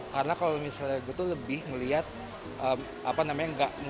karena kalau misalnya gue tuh lebih melihat apa namanya